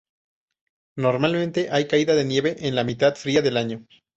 Normalmente hay caída de nieve en la mitad fría del año.